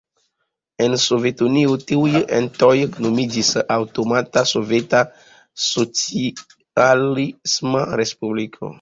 En Sovetunio tiuj entoj nomiĝis aŭtonoma soveta socialisma respubliko.